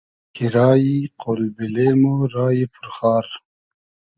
کی رایی قۉل بیلې مۉ رایی پور خار